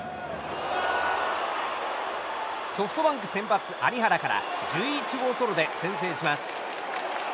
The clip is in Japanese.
ソフトバンク先発、有原から１１号ソロで先制します。